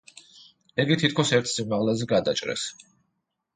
იგი თითქოს ერთ სიმაღლეზე გადაჭრეს.